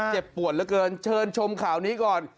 เจ็บปวดเหลือเกินเชิญชมข่าวนี้ก่อน